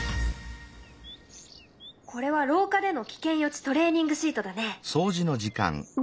これはろう下での危険予知トレーニングシートだね。